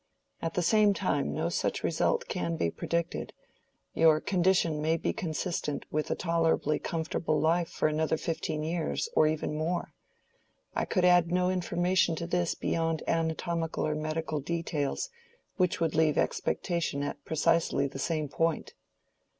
At the same time, no such result can be predicted. Your condition may be consistent with a tolerably comfortable life for another fifteen years, or even more. I could add no information to this beyond anatomical or medical details, which would leave expectation at precisely the same point."